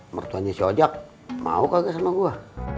mertuannya si ojak mau kagak sama gue